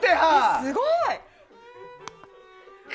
すごい！